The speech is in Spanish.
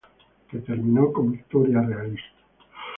Que terminó con victoria realista.